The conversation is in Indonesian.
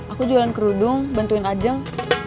aku jualan kerudung bantuin ajang